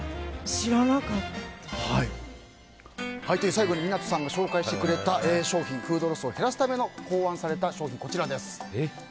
最後に湊さんが紹介されたフードロスを減らすために考案された商品こちらです。